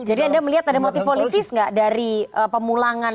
jadi anda melihat ada motif politis nggak dari pemulangan